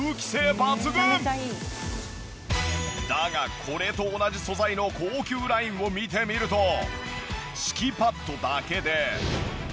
だがこれと同じ素材の高級ラインを見てみると敷きパッドだけで。